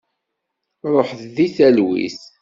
Ruḥet deg talwit.